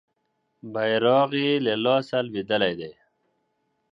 بیرغ یې له لاسه لویدلی دی.